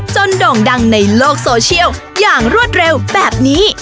โด่งดังในโลกโซเชียลอย่างรวดเร็วแบบนี้